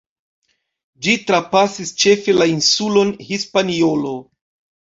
Ĝi trapasis ĉefe la insulon Hispaniolo.